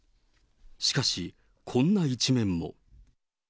しかし、こんな一面も。